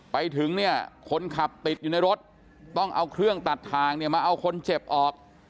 ไปถึงเนี่ยคนขับติดอยู่ในรถต้องเอาเครื่องตัดทางเนี่ยมาเอาคนเจ็บออก